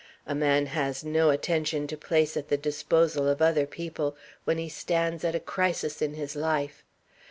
A man has no attention to place at the disposal of other people when he stands at a crisis in his life.